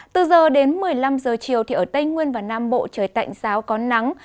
từ giờ đến một mươi năm h chiều ở tây nguyên và nam bộ trời tạnh giáo có nắng